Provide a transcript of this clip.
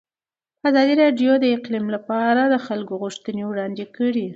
ازادي راډیو د اقلیم لپاره د خلکو غوښتنې وړاندې کړي.